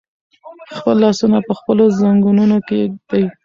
خپل لاسونه په خپلو زنګونونو کېږدئ.